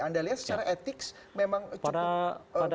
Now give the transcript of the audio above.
anda lihat secara etik memang cukup harus diperhitungkan